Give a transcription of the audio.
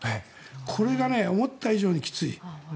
これが思った以上にきつい。